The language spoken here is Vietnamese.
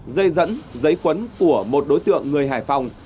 dây dẫn giấy quấn của một đối tượng người hải phòng